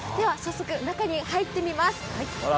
早速、中に入ってみます。